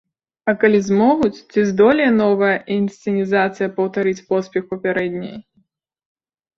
А калі змогуць, ці здолее новая інсцэнізацыя паўтарыць поспех папярэдняй?